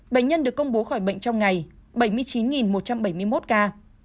bệnh nhân được công bố khỏi bệnh trong ngày bảy mươi chín một trăm bảy mươi một ca